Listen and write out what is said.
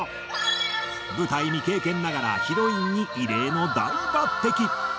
舞台未経験ながらヒロインに異例の大抜擢！